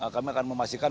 kami akan memastikan